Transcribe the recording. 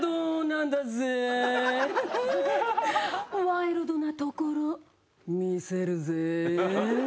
ワイルドなところ見せるぜ。